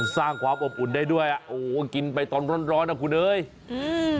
สร้างความอบอุ่นได้ด้วยอ่ะโอ้โหกินไปตอนร้อนร้อนนะคุณเอ้ยอืม